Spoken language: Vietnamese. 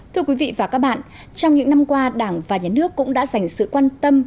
thưa quý vị và các bạn trong những năm qua đảng và nhà nước cũng đã dành sự quan tâm